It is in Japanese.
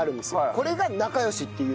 これがなかよしっていう。